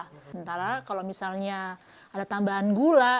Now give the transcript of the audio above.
sementara kalau misalnya ada tambahan gula